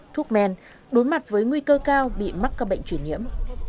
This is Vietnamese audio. thuốc men đối mặt với nguy cơ cao bị mắc các bệnh truyền nhiễm